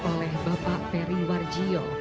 ini tahu bapak periwar jio